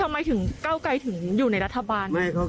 ทำไมถึงเก้าไกลถึงอยู่ในรัฐบาล